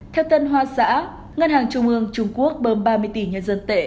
theo tân hoa xã ngân hàng trung ương trung quốc bơm ba mươi tỷ nhân dân tệ